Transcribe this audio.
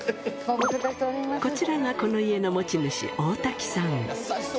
こちらがこの家の持ち主、大瀧さん。